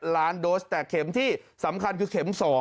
ล้านโดสแต่เข็มที่สำคัญคือเข็ม๒